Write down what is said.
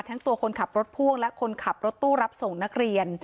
ทั้งตัวคนขับรถพ่วงและคนขับรถตู้รับส่งนักเรียน